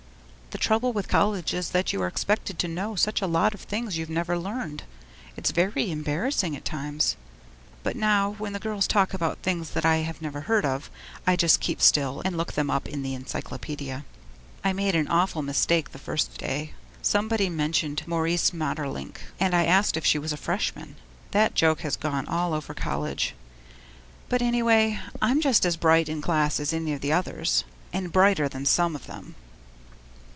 The trouble with college is that you are expected to know such a lot of things you've never learned. It's very embarrassing at times. But now, when the girls talk about things that I never heard of, I just keep still and look them up in the encyclopedia. I made an awful mistake the first day. Somebody mentioned Maurice Maeterlinck, and I asked if she was a Freshman. That joke has gone all over college. But anyway, I'm just as bright in class as any of the others and brighter than some of them!